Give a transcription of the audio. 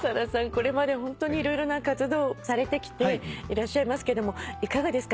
これまでホントに色々な活動をされてきていらっしゃいますけどもいかがですか？